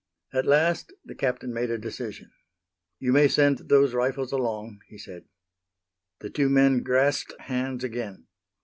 At last the Captain made a decision. "You may send those rifles along," he said. The two men grasped hands again.